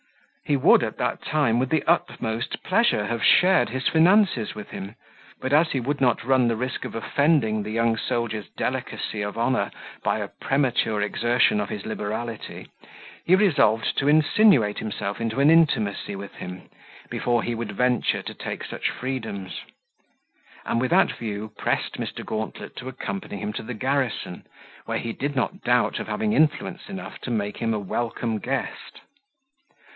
He would, at that time, with the utmost pleasure, have shared his finances with him; but as he would not run the risk of offending the young soldier's delicacy of honour by a premature exertion of his liberality, he resolved to insinuate himself into an intimacy with him, before he would venture to take such freedoms; and with that view pressed Mr. Gauntlet to accompany him to the garrison, where he did not doubt of having influence enough to make him a welcome guest.